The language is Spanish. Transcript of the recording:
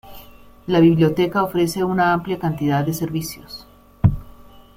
La biblioteca ofrece una amplia cantidad de servicios.